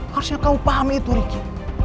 harusnya kamu pahami itu ricky